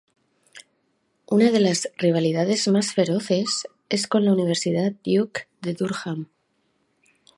Una de las rivalidades más feroces es con la Universidad Duke de Durham.